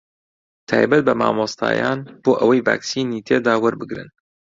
تایبەت بە مامۆستایان بۆ ئەوەی ڤاکسینی تێدا وەربگرن